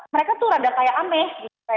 mereka tuh rada kayak aneh